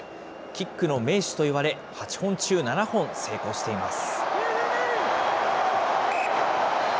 キックの名手と言われ、８本中７本成功しています。